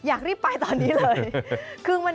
อยากรีบไปตอนนี้เลย